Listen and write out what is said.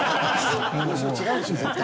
それ違うでしょ絶対。